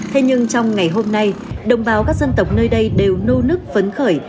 thế nhưng trong ngày hôm nay đồng bào các dân tộc nơi đây đều nô nức phấn khởi